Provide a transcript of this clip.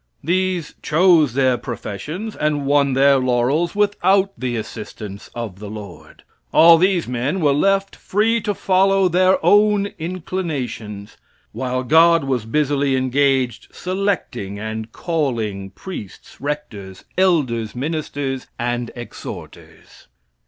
These chose their professions and won their laurels without the assistance of the Lord. All these men were left free to follow their own inclinations while God was busily engaged selecting and "calling" priests, rectors, elders, ministers and exhorters.